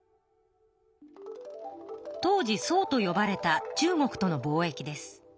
当時宋とよばれた中国との貿易です。